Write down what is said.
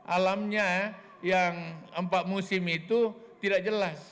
alamnya yang empat musim itu tidak jelas